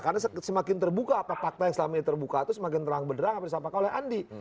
karena semakin terbuka fakta yang selama ini terbuka semakin terang benerang apa yang disampaikan oleh andi